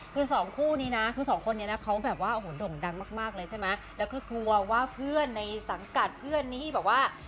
คือสองคู่นี้นะคือสองคนนี้นะเขาแบบว่าโอ้โหด่งดังมากมากเลยใช่ไหมแล้วก็กลัวว่าเพื่อนในสังกัดเพื่อนนี้แบบว่า